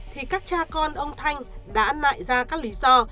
thì các cha con ông thanh đã nại ra các lý do